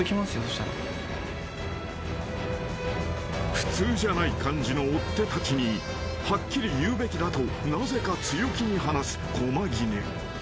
［普通じゃない感じの追っ手たちにはっきり言うべきだとなぜか強気に話す駒木根］